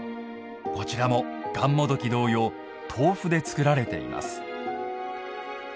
こちらも、がんもどき同様豆腐で作られています。